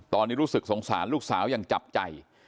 ตอนนี้รู้สึกสงสารลูกสาวยังจับใจ